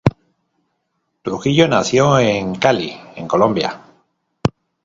Trujillo nació en Cali en Colombia.